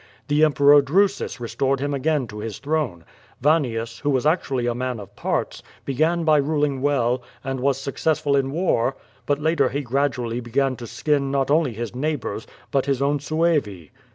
The Emperor Drusus restored him again to his throne. Vannius, who was ac tually a man of parts, began by ruling well, and was success ful in war, but later he gradually began to skin not only his neighbors, but his own Suevi.